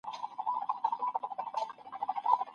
تخیل د بریا نقشه جوړوي.